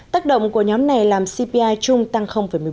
tác động của nhóm này làm cpi chung tăng một mươi bốn